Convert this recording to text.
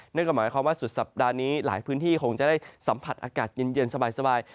นั่นก็หมายความว่าสุดสัปดาห์นี้หลายพื้นที่คงจะได้สัมผัสอากาศเย็นสบาย